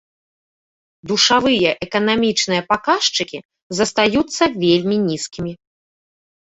Душавыя эканамічныя паказчыкі застаюцца вельмі нізкімі.